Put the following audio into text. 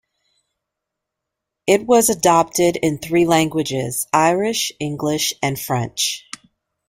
It was adopted in three languages: Irish, English and French.